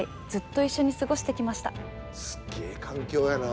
すっげえ環境やなあ。